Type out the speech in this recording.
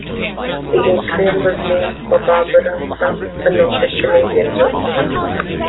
The atrium was named for Barbara Frum, a noted Canadian journalist.